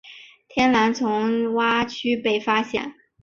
天蓝丛蛙区被发现。